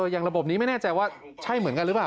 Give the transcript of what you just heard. อย่างระบบนี้ไม่แน่ใจว่าใช่เหมือนกันหรือเปล่า